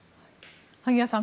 萩谷さん